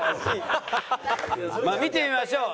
まあ見てみましょう。